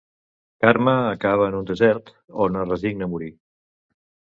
Karma acaba en un desert, on es resigna a morir.